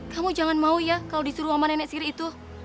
kamu jangan mau ya kalau disuruh sama nenek siri itu